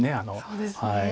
そうですね。